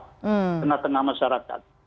di tengah tengah masyarakat